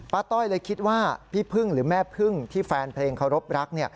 ต้อยเลยคิดว่าพี่พึ่งหรือแม่พึ่งที่แฟนเพลงเคารพรัก